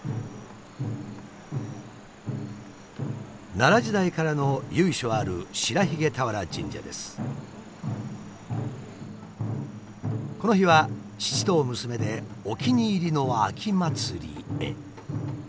奈良時代からの由緒あるこの日は父と娘でお気に入りの秋祭りへ。